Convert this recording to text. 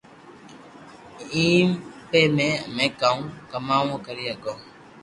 ايي مي امي ڪاوُ ڪري ھگو